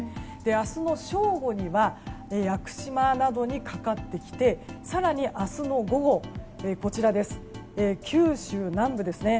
明日の正午には、屋久島などにかかってきて更に明日の午後九州南部ですね。